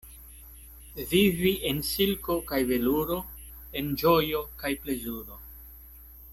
Vivi en silko kaj veluro, en ĝojo kaj plezuro.